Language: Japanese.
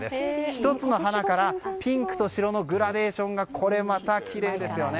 １つの花からピンクと白のグラデーションがこれまたきれいですよね。